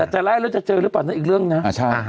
แต่ไล่แล้วจะเจอหรือเปล่านะอีกเรื่องนะ